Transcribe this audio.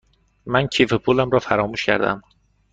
من کیف پولم را فراموش کرده ام.